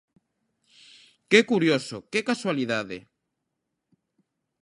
¡Que curioso, que casualidade!